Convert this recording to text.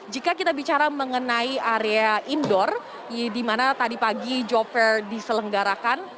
jika kita bicara mengenai area indoor dimana tadi pagi job fair diselenggarakan